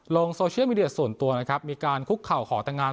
ลงโซเชียลมีเดียส่วนตัวนะครับมีการคุกเข่าขอแต่งงาน